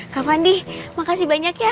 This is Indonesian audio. kak fandi makasih banyak ya